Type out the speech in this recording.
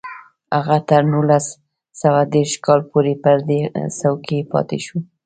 هغه تر نولس سوه دېرش کال پورې پر دې څوکۍ پاتې شو